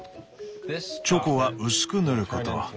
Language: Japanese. チョコは薄く塗ること。